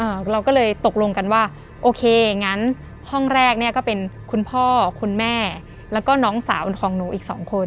เราก็เลยตกลงกันว่าโอเคงั้นห้องแรกเนี้ยก็เป็นคุณพ่อคุณแม่แล้วก็น้องสาวของหนูอีกสองคน